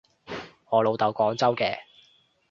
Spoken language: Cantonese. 我老豆廣州嘅